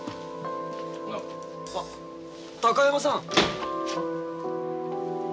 あっ高山さん！